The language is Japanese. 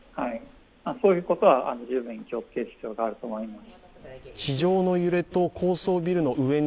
そういうことは十分に気をつける必要があると思います。